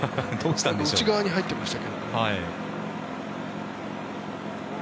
内側に入っていましたけど。